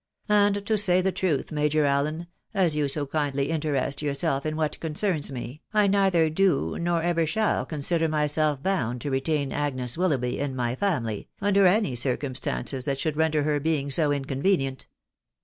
and to say the truth, Major Allen, as you so kindly interest yourself in what concerns me, I neither do nor ever shall consider myself bound to retain Agnes Wil loughby in my family, under any circumstances that should render her being so inconvenient."